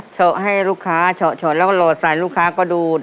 เฉาะให้ลูกค้าเฉาะเฉาะแล้วรอดสายลูกค้าก็ดู